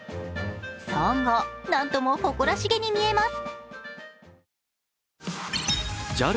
ソーン号、なんとも誇らしげに見えます。